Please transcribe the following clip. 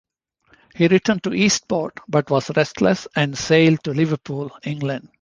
He returned to Eastport but was restless and sailed to Liverpool, England.